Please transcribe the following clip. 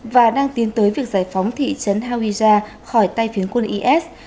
và đang tiến tới việc giải phóng thị trấn hawija khỏi tay phiến quân is